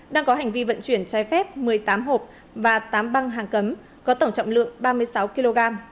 đang có hành vi vận chuyển trái phép một mươi tám hộp và tám băng hàng cấm có tổng trọng lượng ba mươi sáu kg